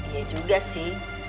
iya juga sih